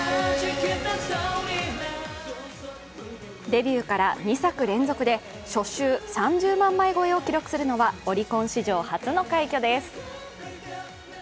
デビューから２作連続で初週３０万枚超えを記録するのはオリコン史上初の快挙です。